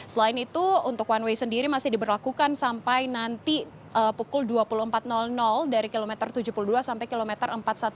selain itu untuk one way sendiri masih diberlakukan sampai nanti pukul dua puluh empat dari kilometer tujuh puluh dua sampai kilometer empat ratus dua belas